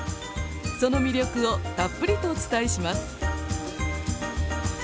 その魅力をたっぷりとお伝えします。